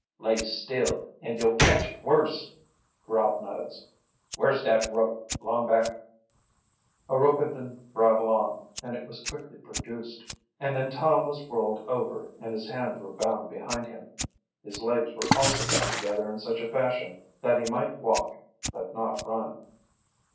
"Lay still, or you'll catch it worse," growled Nuggs. "Where's dat rope, Longback?" A rope had been brought along, and it was quickly produced, and then Tom was rolled over and his hands were bound behind him. His legs were also bound together in such a fashion that he might walk but not run.